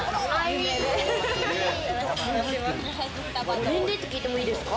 ご年齢聞いてもいいですか？